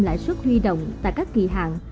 lãi suất huy động tại các kỳ hạn